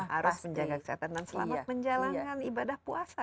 harus menjaga kesehatan dan selamat menjalankan ibadah puasa